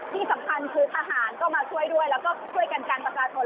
ที่สำคัญคือทหารก็มาช่วยด้วยแล้วก็ช่วยกันกันประชาชน